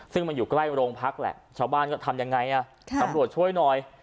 ซึ่งมันอยู่ใกล้โรงพักแหละชาวบ้านก็ทำยังไงตำรวจช่วยหน่อย